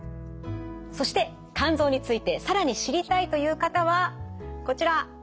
そして肝臓について更に知りたいという方はこちら。